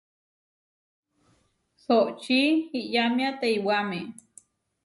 Soʼočí iyámia teiwáme.